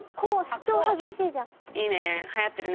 主張激しいじゃん。